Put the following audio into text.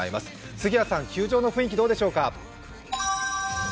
杉谷さん球場の雰囲気どうでしょうか？